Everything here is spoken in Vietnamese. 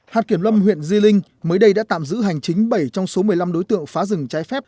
hạt kiểm lâm huyện di linh mới đây đã tạm giữ hành chính bảy trong số một mươi năm đối tượng phá rừng trái phép